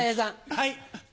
はい。